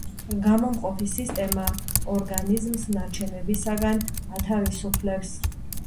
გამომყოფი სისტემა ორგანიზმს ნარჩენებისაგან ათავისუფლებს.